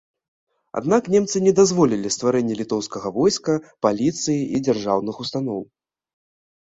Аднак немцы не дазволілі стварэнне літоўскага войска, паліцыі і дзяржаўных устаноў.